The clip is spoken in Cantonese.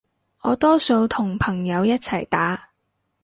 我多數同朋友一齊打